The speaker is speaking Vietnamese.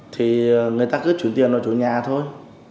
thì người ta cứ chủ tiền ở chỗ nhà thôi